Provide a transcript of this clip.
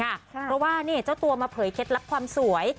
เพราะว่าเจ้าตัวมาเผยเคล็ดลับความสวย